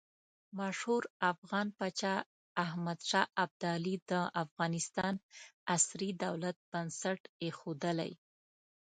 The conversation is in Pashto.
مشهور افغان پاچا احمد شاه ابدالي د افغانستان عصري دولت بنسټ ایښودلی.